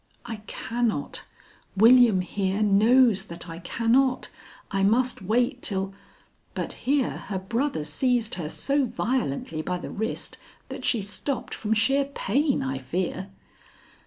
"I cannot. William, here, knows that I cannot. I must wait till " But here her brother seized her so violently by the wrist that she stopped from sheer pain, I fear.